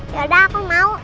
yaudah aku mau